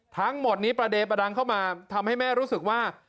ทั้งหมดนี้ประเด็นประดังเข้ามาทำให้แม่รู้สึกว่า